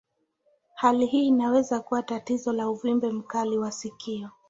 Hali hii inaweza kuwa tatizo la uvimbe mkali wa sikio.